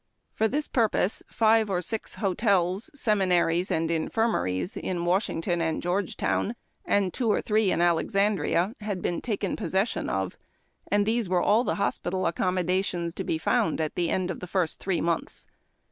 For this purpose five or six hotels, seminaries, and infirmaries, in Washington and Georgetown, and two or three in Alexan dria, had been taken possession of, and these were all the hospital accommodations to be found at the end of the first three months.